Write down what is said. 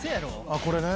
あっこれね。